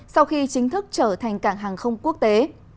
sau khi chính thức trở thành cảng hàng không quốc tế